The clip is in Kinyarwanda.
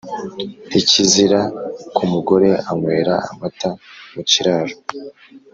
ntikizira kumugore anywera amata mukiraro?"